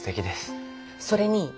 それに。